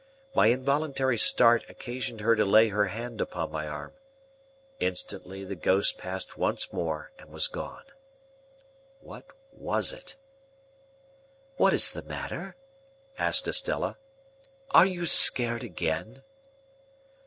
My involuntary start occasioned her to lay her hand upon my arm. Instantly the ghost passed once more and was gone. What was it? "What is the matter?" asked Estella. "Are you scared again?"